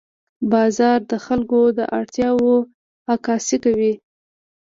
بازار د خلکو د اړتیاوو عکاسي کوي.